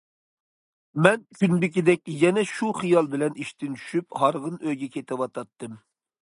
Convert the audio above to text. مەن كۈندىكىدەك يەنە شۇ خىيال بىلەن ئىشتىن چۈشۈپ ھارغىن ئۆيگە كېتىۋاتاتتىم.